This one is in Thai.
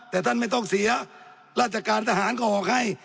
แต่ท่านไม่ต้องเสียราชการทหารก็ออกให้